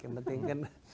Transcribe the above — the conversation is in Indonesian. yang penting kan